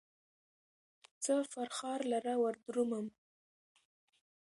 څه فرخار لره وردرومم